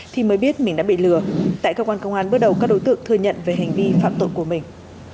thì mới biết mình đã bị lừa tại cơ quan công an bước đầu các đối tượng thừa nhận về hành vi phạm tội của mình